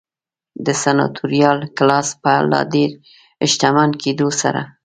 د سناتوریال کلاس په لا ډېر شتمن کېدو سره.